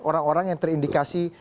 orang orang yang terindikasi